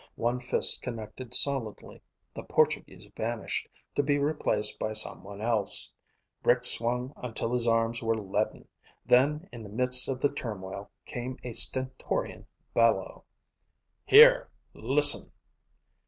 One fist connected solidly. The Portuguese vanished, to be replaced by someone else. Rick swung until his arms were leaden. Then, in the midst of the turmoil, came a stentorian bellow. "Here! Listen!"